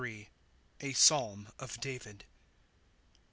A Psalm of David.